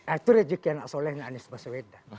itu rezeki anak solehnya anies baswedan